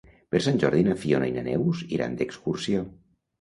Per Sant Jordi na Fiona i na Neus iran d'excursió.